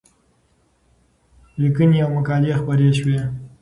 لیکنې او مقالې خپرې شوې.